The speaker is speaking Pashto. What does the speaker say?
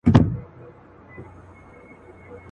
زه له پیاوړو خلکو سره مینه لرم